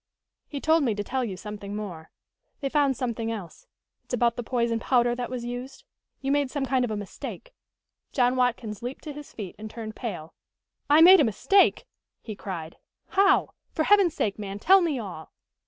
"He told me to tell you something more. They found something else. It's about the poison powder that was used. You made some kind of a mistake " John Watkins leaped to his feet and turned pale. "I made a mistake?" he cried. "How? For Heaven's sake, man, tell me all!"